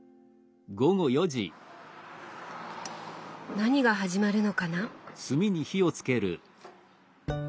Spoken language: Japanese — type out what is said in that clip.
何が始まるのかな？